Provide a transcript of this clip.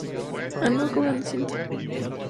Con el equipo, terminó quinto en la Copa del Mundo.